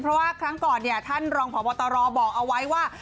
เพราะว่าครั้งก่อนเนี่ยท่านรองพบตรบอกเอาไว้ว่า